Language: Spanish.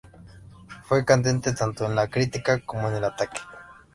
Fue candente tanto en la crítica como en el ataque"".